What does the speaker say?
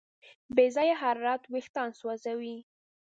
بې ځایه حرارت وېښتيان سوځوي.